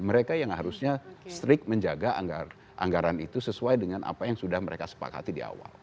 mereka yang harusnya strict menjaga anggaran itu sesuai dengan apa yang sudah mereka sepakati di awal